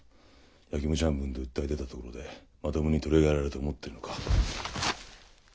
嫉妬半分で訴え出たところでまともに取り上げられると思ってるのか。